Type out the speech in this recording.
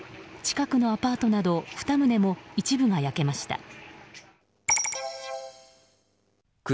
近くのアパートなど２棟も一部が焼けました。